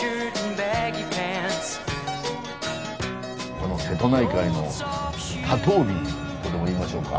この瀬戸内海の多島美とでも言いましょうか。